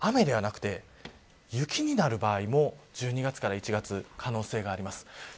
寒気が入っているのでこれが雨ではなくて雪になる場合も１２月から１月可能性があります。